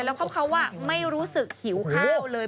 แล้วเขาไม่รู้สึกหิวข้าวเลย